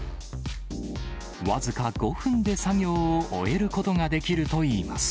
僅か５分で作業を終えることができるといいます。